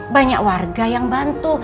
banyak warga yang bantu